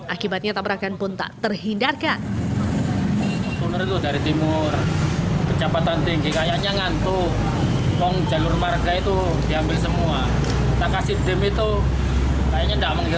akibatnya tabrakan pun tak terhindarkan